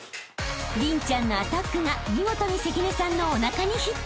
［麟ちゃんのアタックが見事に関根さんのおなかにヒット］